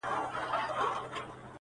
زه خو داسې سجده غواړم